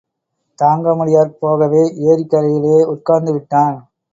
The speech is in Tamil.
தாங்க முடியாமற் போகவே ஏரிக் கரையிலேயே உட்கார்ந்து விட்டான்.